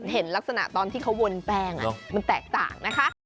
เห็นลักษณะตอนที่เขาวนแป้งมันแตกต่างนะคะ